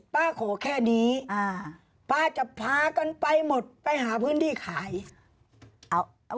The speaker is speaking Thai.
ป้าขอแค่นี้ป้าจะพากันไปหมดไปหาพื้นที่ขาย